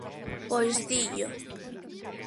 -Pois dillo.